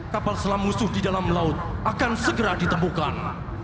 kapal selam musuh di dalam laut akan segera ditemukan